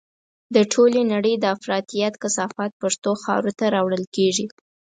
د ټولې نړۍ د افراطيت کثافات پښتنو خاورو ته راوړل کېږي.